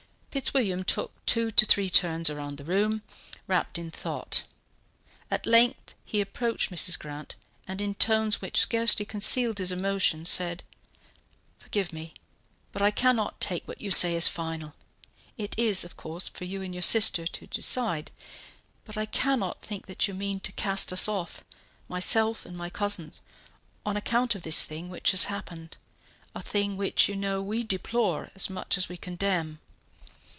Fitzwilliam took two or three turns about the room, wrapped in thought. At length he approached Mrs. Grant, and in tones which scarcely concealed his emotion, said: "Forgive me, but I cannot take what you say as final. It is, of course, for you and your sister to decide, but I cannot think that you mean to cast us off, myself and my cousins, on account of this thing which has happened, a thing which you know we deplore as much as we condemn.